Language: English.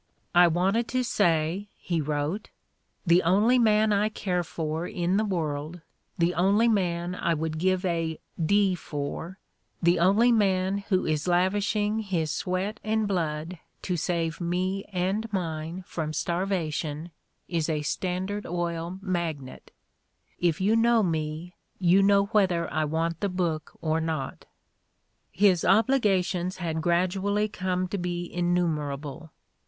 "I wanted to say," he wrote, "the only man I care for in the world, the only man I would give a d for, the only man who is lavishing his sweat and blood to save me and mine from starvation is a Standard Oil magnate. If you know me, you know whether I want the book or not." His obligations had gradually come to be in numerable.